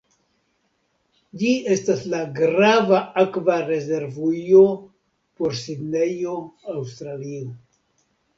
Ĝi estas la grava akva rezervujo por Sidnejo, Aŭstralio.